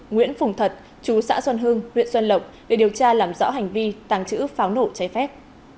nguyễn phùng thật chú xã xuân hưng huyện xuân lộc để điều tra làm rõ hành vi tàng trữ pháo nổ cháy phép